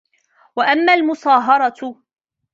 وَأَمَّا الْمُصَاهَرَةُ